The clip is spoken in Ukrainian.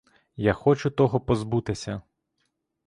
Я хочу того позбутися!